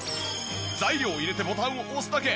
材料を入れてボタンを押すだけ。